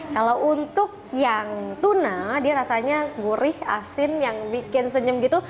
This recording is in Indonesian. kalau untuk yang tuna dia rasanya gurih asin yang bikin senyum gitu